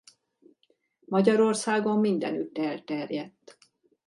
Magyarországon mindenütt elterjedt.